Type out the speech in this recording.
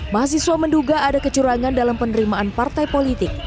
mahasiswa menduga ada kecurangan dalam penerimaan partai politik